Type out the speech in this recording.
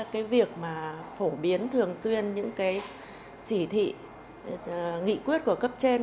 cái việc mà phổ biến thường xuyên những cái chỉ thị nghị quyết của cấp trên